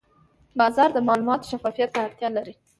بازار د معلوماتو شفافیت ته اړتیا لري.